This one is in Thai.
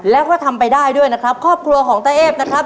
แล้วก็ทำไปได้ด้วยนะครับครอบครัวของตาเอฟนะครับ